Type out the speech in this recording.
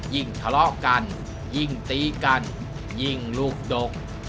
ทะเลาะกันยิ่งตีกันยิ่งลูกดก